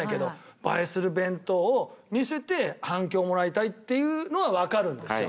映えする弁当を見せて反響をもらいたいっていうのはわかるんですよ。